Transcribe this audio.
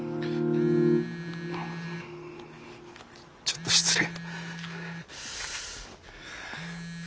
ちょっと失礼。